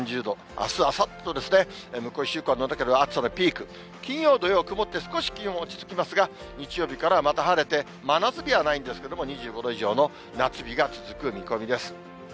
あす、あさってと、向こう１週間、暑さのピーク、金曜、土曜、雲って、少し気温落ち着きますが、日曜日からまた晴れて、真夏日はないんですけれども、２５度以上の夏日が続く見込みです。